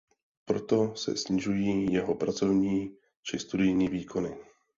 Proto se snižují jeho pracovní čí studijní výkony.